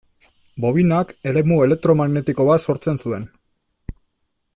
Bobinak eremu elektromagnetiko bat sortzen zuen.